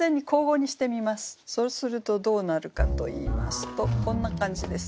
そうするとどうなるかといいますとこんな感じです。